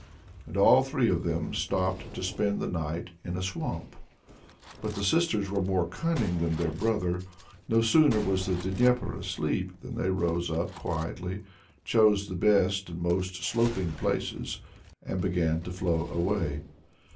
And all three of them stopped to spend the night in a swamp. But the sisters were more cunning than their brother. No sooner was Dnieper asleep than they rose up quietly, chose the best and most sloping places, and began to flow away.